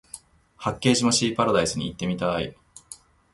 八景島シーパラダイスに行ってみたい